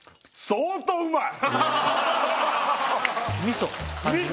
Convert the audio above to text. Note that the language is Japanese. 相当うまい！